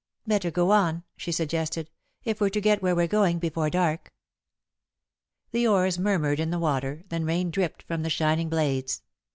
"Better go on," she suggested, "if we're to get where we're going before dark." The oars murmured in the water, then rain dripped from the shining blades.